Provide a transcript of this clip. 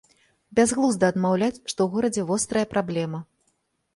Бязглузда адмаўляць, што ў горадзе вострая праблема.